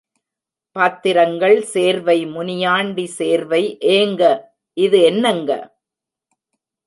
பாத்திரங்கள் சேர்வை, முனியாண்டி சேர்வை ஏங்க, இது என்னங்க.